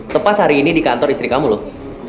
tepat hari ini di kantor istri kamu lut